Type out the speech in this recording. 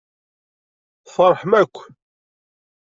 Tfeṛḥem akk.